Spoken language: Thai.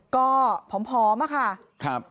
ก็พร้อมมาค่ะ